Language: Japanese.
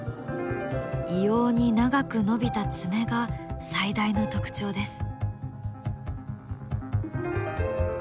異様に長く伸びた爪が最大の特徴です。